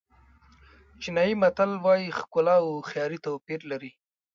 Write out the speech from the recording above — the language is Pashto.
چینایي متل وایي ښکلا او هوښیاري توپیر لري.